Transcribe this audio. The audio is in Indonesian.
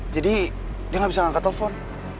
jadi dia gak bisa ngangkat telfon